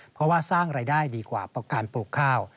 เพราะว่าสร้างรายได้ดีกว่าการปลูกข้าว